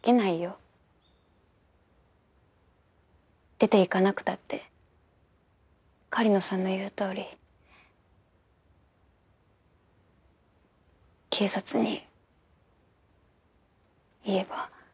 出て行かなくたって狩野さんの言うとおり警察に言えば。